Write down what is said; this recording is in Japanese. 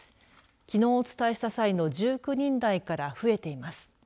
きのうお伝えした際の１９人台から増えています。